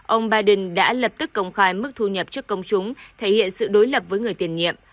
ông biden đã lập tức công khai mức thu nhập trước công chúng thể hiện sự đối lập với người tiền nhiệm